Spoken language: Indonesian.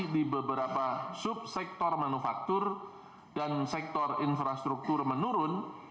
di beberapa subsektor manufaktur dan sektor infrastruktur menurun